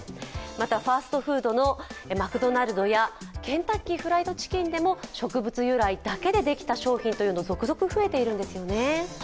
また、ファストフードのマクドナルドやケンタッキーフライドチキンでも植物由来だけでできた商品が続々増えているんですよね。